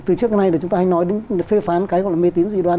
từ trước này chúng ta hay nói phê phán cái còn là mê tín dị đoan